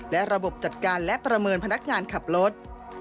และระบบจัดการและประเมินพนักงานขับรถ